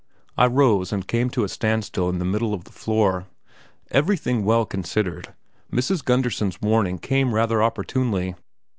I rose and came to a standstill in the middle of the floor. Everything well considered, Mrs. Gundersen's warning came rather opportunely.